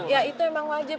ya itu memang wajib